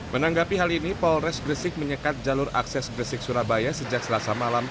menanggapi hal ini polres gresik menyekat jalur akses gresik surabaya sejak selasa malam